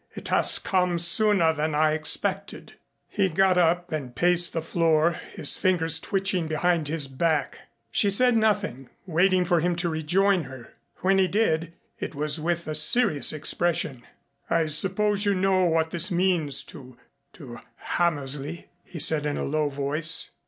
It has come sooner than I expected." He got up and paced the floor, his fingers twitching behind his back. She said nothing, waiting for him to rejoin her. When he did, it was with a serious expression. "I suppose you know what this means to to Hammersley," he said in a low voice.